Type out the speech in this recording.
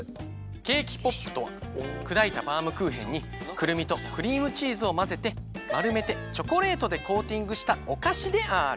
ケーキポップとはくだいたバウムクーヘンにくるみとクリームチーズをまぜてまるめてチョコレートでコーティングしたおかしである！